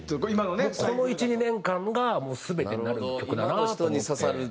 この１２年間が全てになる曲だなと思って。